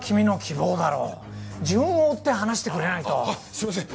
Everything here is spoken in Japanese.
すみません。